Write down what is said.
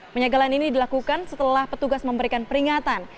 penyegelan ini dilakukan setelah petugas memberikan peringatan